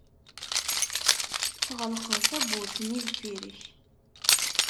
Tɣelqeḍ tawwurt-nni deffir-k.